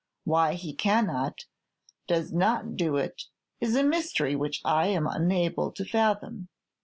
Why he cannot, does not do it, is a mystery which I am unable to fathom.